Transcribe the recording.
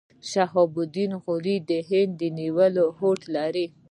شهاب الدین غوري د هند د نیولو هوډ وکړ.